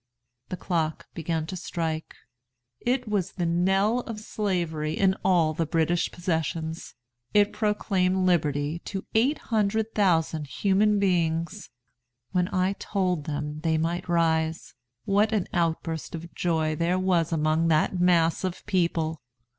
The clock began to strike. It was the knell of Slavery in all the British possessions! It proclaimed liberty to eight hundred thousand human beings! When I told them they might rise, what an outburst of joy there was among that mass of people!